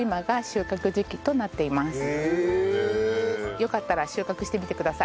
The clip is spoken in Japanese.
よかったら収穫してみてください。